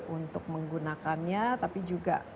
untuk menggunakannya tapi juga